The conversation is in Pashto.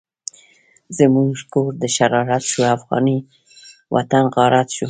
زمونږ کور دشرارت شو، افغانی وطن غارت شو